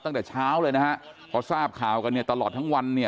ตั้งแต่เช้าเลยนะฮะพอทราบข่าวกันเนี่ยตลอดทั้งวันเนี่ย